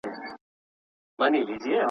ایا نثر د ټولني ستونزي حل کولای سي؟